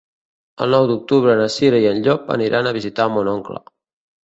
El nou d'octubre na Cira i en Llop aniran a visitar mon oncle.